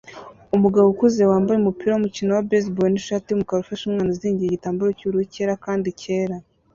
Umugabo ukuze wambaye umupira wumukino wa baseball nishati yumukara ufashe umwana uzingiye igitambaro cyubururu cyera kandi cyera